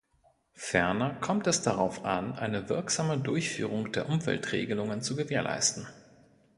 Ferner kommt es darauf an, eine wirksame Durchführung der Umweltregelungen zu gewährleisten.